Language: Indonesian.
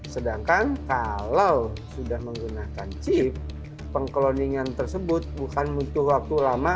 sedangkan kalau sudah menggunakan chip pengkloningan tersebut bukan butuh waktu lama